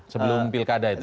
sebelum pilkada itu ya